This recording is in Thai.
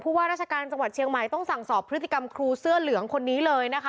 ว่าราชการจังหวัดเชียงใหม่ต้องสั่งสอบพฤติกรรมครูเสื้อเหลืองคนนี้เลยนะคะ